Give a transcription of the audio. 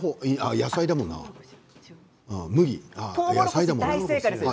野菜だもんな、麦？